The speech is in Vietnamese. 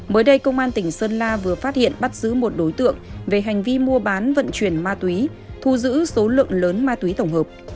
mới đây công an tỉnh sơn la vừa phát hiện bắt giữ một đối tượng về hành vi mua bán vận chuyển ma túy thu giữ số lượng lớn ma túy tổng hợp